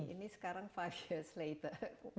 ini sekarang five years later